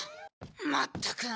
まったく。